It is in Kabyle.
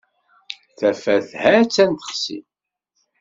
Tafat ha-tt-an texsi.